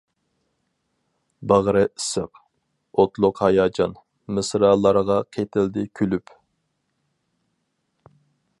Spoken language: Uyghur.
باغرى ئىسسىق، ئوتلۇق ھاياجان، مىسرالارغا قېتىلدى كۈلۈپ.